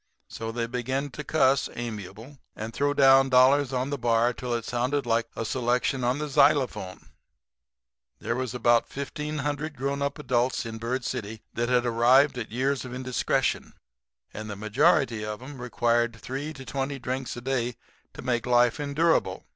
So they began to cuss, amiable, and throw down dollars on the bar till it sounded like a selection on the xylophone. "There was about 1,500 grown up adults in Bird City that had arrived at years of indiscretion; and the majority of 'em required from three to twenty drinks a day to make life endurable.